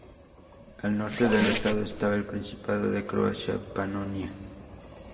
Al norte del estado estaba el Principado de Croacia-Panonia.